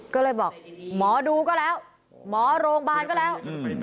ก็เลยบอกหมอดูก็แล้วหมอโรงพยาบาลก็แล้ว